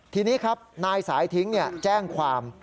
ทีนี้ครับนายสายทิ้งแจ้งความ